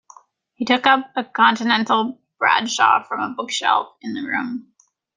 He took up a Continental Bradshaw from a bookshelf in the room.